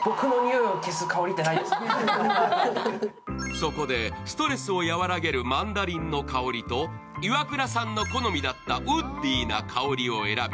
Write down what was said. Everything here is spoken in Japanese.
そこでストレスをやわらげるマンダリンの香りとイワクラさんの好みだったウッディーな香りを選び